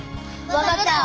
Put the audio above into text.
分かった！